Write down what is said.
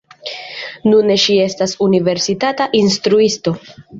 Nune ŝi estas universitata instruisto.